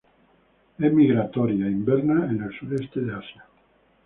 Es migratoria, inverna en el sureste de Asia.